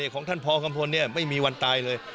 ของท่านพอกัมพลไม่มีวันตายเลย